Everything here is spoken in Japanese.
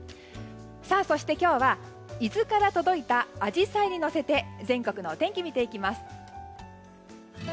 そして今日は伊豆から届いたアジサイにのせて全国のお天気を見ていきます。